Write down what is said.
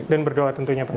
dan berdoa tentunya pak ya